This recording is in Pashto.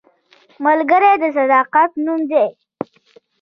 ملګری د صداقت نوم دی